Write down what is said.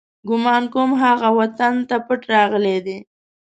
ګمان کوم، هغه وطن ته پټ راغلی دی.